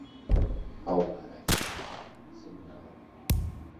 Ауаа рахь сеихап, сыбналап!